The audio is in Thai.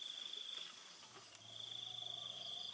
ติดต่อไปแล้ว